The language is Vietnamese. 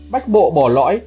bách bộ bỏ lõi